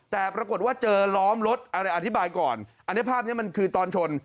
แต่ปรากฏว่าเจอล้อมรถอะไรอธิบายก่อนอันนี้ภาพนี้มันคือตอนชน